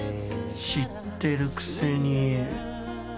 知ってるくせに。